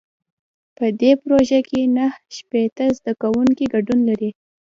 په دې پروژه کې نهه شپېته زده کوونکي ګډون لري.